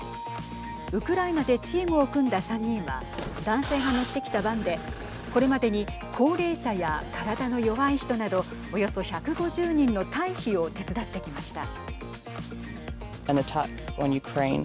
ウクライナでチームを組んだ３人は男性が乗ってきたバンでこれまでに高齢者や体の弱い人などおよそ１５０人の退避を手伝ってきました。